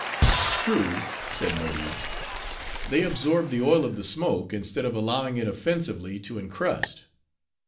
"True," said Mohi, "they absorb the oil of the smoke, instead of allowing it offensively to incrust."